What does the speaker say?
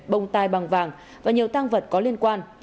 bông tai bằng vàng và nhiều tăng vật có liên quan